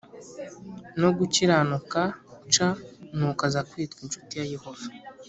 no gukiranuka c nuko aza kwitwa incuti ya Yehova